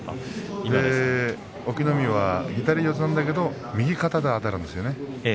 隠岐の海は左四つなんだけれども右肩であたるんですよね。